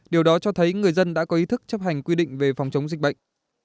điều đó cho thấy người dân đã có ý thức chấp hành quy định về phòng chống dịch bệnh